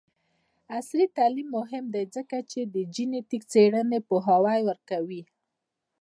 عصري تعلیم مهم دی ځکه چې د جینیټک څیړنې پوهاوی ورکوي.